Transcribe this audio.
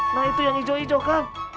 nah itu yang ijo ijo kang